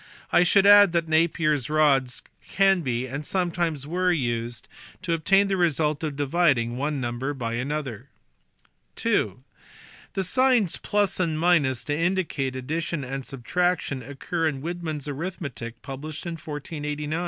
I should add that Napier s rods can be, and sometimes were, used to obtain the result of dividing one number by another. (ii) The signs + and to indicate addition and sub traction occur in Widman s arithmetic published in 1489 (see below, p.